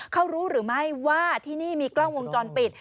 เขารู้หรือไม่ว่าที่นี่มีกล้องวงจรปิด